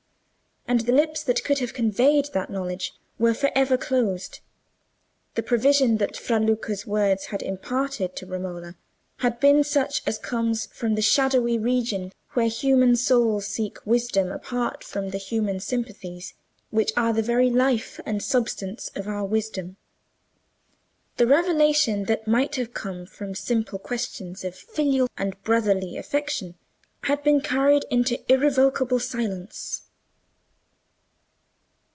And the lips that could have conveyed that knowledge were for ever closed. The prevision that Fra Luca's words had imparted to Romola had been such as comes from the shadowy region where human souls seek wisdom apart from the human sympathies which are the very life and substance of our wisdom; the revelation that might have come from the simple questions of filial and brotherly affection had been carried into irrevocable silence.